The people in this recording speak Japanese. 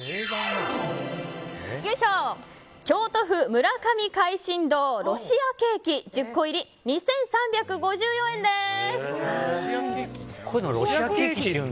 京都府、村上開新堂ロシアケーキ１０個入り、２３５４円です。